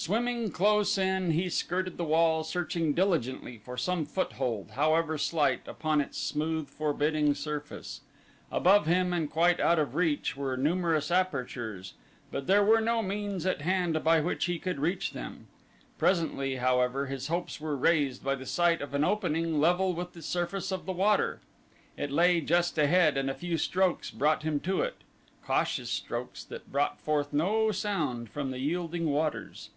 Swimming close in, he skirted the wall searching diligently for some foothold, however slight, upon its smooth, forbidding surface. Above him and quite out of reach were numerous apertures, but there were no means at hand by which he could reach them. Presently, however, his hopes were raised by the sight of an opening level with the surface of the water. It lay just ahead and a few strokes brought him to it cautious strokes that brought forth no sound from the yielding waters.